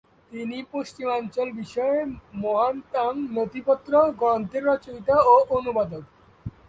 তিনি "পশ্চিমাঞ্চল বিষয়ে মহান তাং নথিপত্র" গ্রন্থের রচয়িতা ও অনুবাদক।